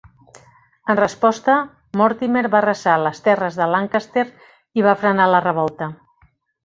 En resposta, Mortimer va arrasar les terres de Lancaster i va frenar la revolta.